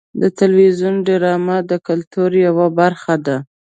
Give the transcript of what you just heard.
د تلویزیون ډرامې د کلتور یوه برخه ده.